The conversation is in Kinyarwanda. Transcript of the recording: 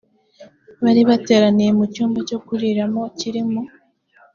bari bateraniye mu cyumba cyo kuriramo kiri mu